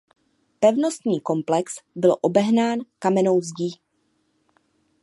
Pevnostní komplex byl obehnán kamennou zdí.